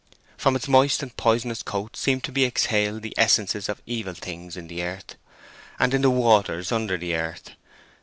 From its moist and poisonous coat seemed to be exhaled the essences of evil things in the earth, and in the waters under the earth.